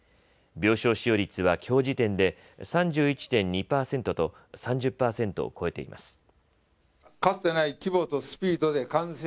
病床使用率はきょう時点で３１．２％と３０％を超えています。